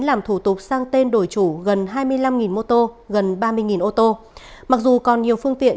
làm thủ tục sang tên đổi chủ gần hai mươi năm mô tô gần ba mươi ô tô mặc dù còn nhiều phương tiện